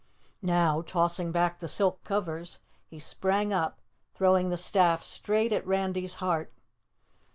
Now tossing back the silk covers, he sprang up, throwing the staff straight at Randy's heart.